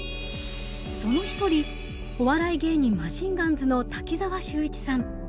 その一人お笑い芸人マシンガンズの滝沢秀一さん。